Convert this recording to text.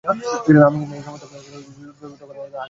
আমি জানি, এই সমস্ত জরুর যখন তাগিদ করে আখেরকে তখন ভাসিয়ে দিতে হয়।